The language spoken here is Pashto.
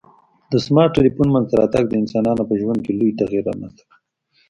د سمارټ ټلیفون منځته راتګ د انسانانو په ژوند کي لوی تغیر رامنځته کړ